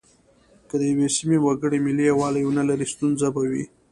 که د یوې سیمې وګړي ملي یووالی ونه لري ستونزه به وي.